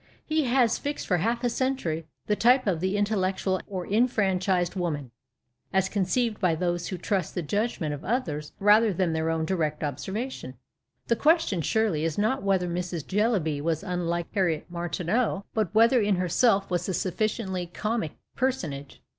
He " has fixed for half a century the type of the intellectual or enfranchised woman, as conceived by those who trust the judgment of others rather than their own direct observation." The question, surely, is not whether Mrs. Jellyby was unlike Harriet Martineau, 286 N I N E T E E N T H C E N T U R Y W O M A N but whether in herself she was a sufficiently comic personage.